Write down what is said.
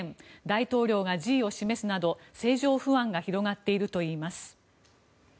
大統領が辞意を示すなど政情不安が広がっているといいます。